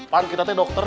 kan kita teh dokter